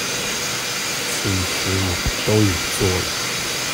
其實我們都有做了